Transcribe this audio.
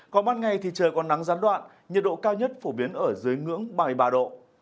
còn ban ngày thì trời còn nắng gián đoạn nhiệt độ cao nhất phổ biến ở dưới ngưỡng ba mươi ba độ